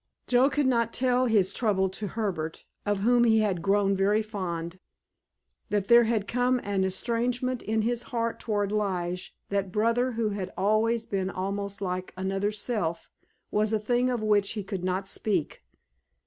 Joe could not tell his trouble to Herbert—of whom he had grown very fond. That there had come an estrangement in his heart toward Lige, that brother who had always been almost like another self, was a thing of which he could not speak.